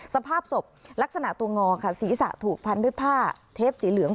สภาพศพลักษณะตัวงอค่ะศีรษะถูกพันด้วยผ้าเทปสีเหลือง